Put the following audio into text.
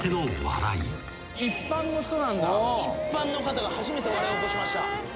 一般の方が初めて笑いを起こしました。